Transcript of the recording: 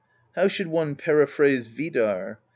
How should one periphrase Vidarr?